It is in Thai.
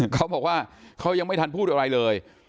เขาบอกว่าเขายังไม่ทันพูดอะไรเลย